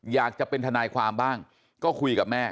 อยากจะเป็นทนายความบ้างก็คุยกับแม่